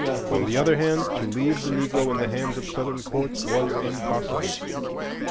On the other hand, to leave the Negro in the hands of Southern courts was impossible.